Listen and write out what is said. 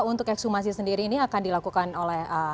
untuk ekshumasi sendiri ini akan dilakukan oleh